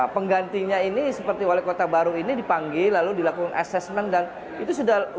penggantinya ini seperti wali kota baru ini dipanggil lalu dilakukan assessment dan itu sudah